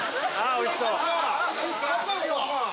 おいしそう。